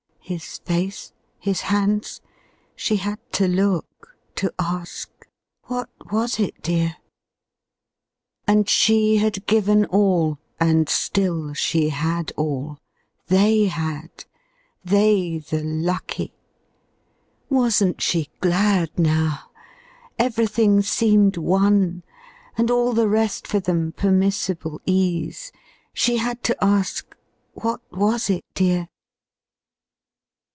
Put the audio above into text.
His face? ŌĆö His hands? She had to look ŌĆö to ask, "What was it, dear?" And she had given all And still she had all ŌĆö they had ŌĆö they the lucky! Was n't she glad now? Everything seemed won, And all the rest for them permissible ease. She had to ask, "What was it, dear?"